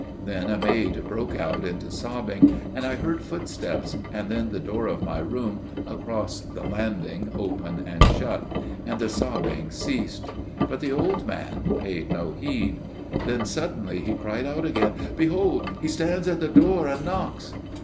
Then a maid broke out into sobbing: and I heard footsteps, and then the door of my room across the landing open and shut: and the sobbing ceased. But the old man paid no heed. Then suddenly he cried out again: "Behold He stands at the door and knocks."